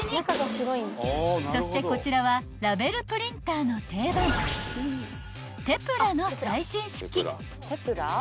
［そしてこちらはラベルプリンターの定番テプラの最新式］